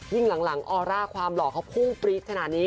หลังออร่าความหล่อเขาพุ่งปรี๊ดขนาดนี้